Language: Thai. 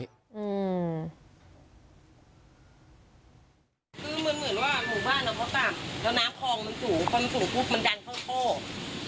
คือเหมือนว่าหมู่บ้านเราก็ต่ำแล้วน้ำคลองมันสูงพอมันสูงปุ๊บมันดันเข้าโคก